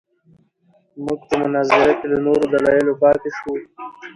موږ په مناظره کې له نورو دلایلو پاتې شوو.